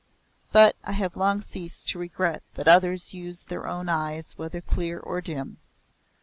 But I have long ceased to regret that others use their own eyes whether clear or dim.